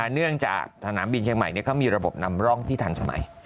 เนื่องจากสนามบินเชียงใหม่เขามีระบบนำร่องที่ทันสมัย